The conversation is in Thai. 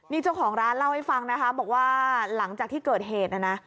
นี่เจ้าของร้านเล่าให้ฟังนะคะบอกว่าหลังจากที่เกิดเหตุนะนะ